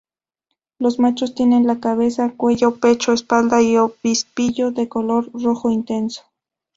Los machos tienen la cabeza, cuello, pecho, espalda y obispillo de color rojo intenso.